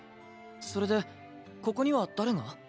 それでここには誰が？